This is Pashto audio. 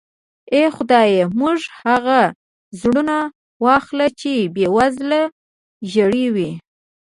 اې خدایه موږ هغه زړونه واخله چې بې وزله ژړوي.